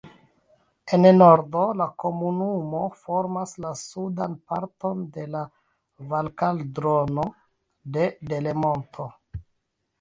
En nordo la komunumo formas la sudan parton de la Valkaldrono de Delemonto.